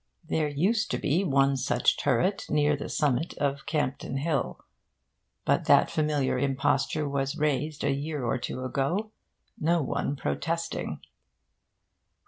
There used to be one such turret near the summit of Campden Hill; but that familiar imposture was rased a year or two ago, no one protesting.